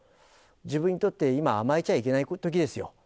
自分にとって今、甘えちゃいけないときですよ。